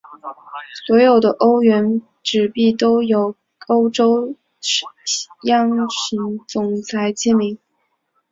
所有的欧元纸币都印有欧洲央行总裁的签名。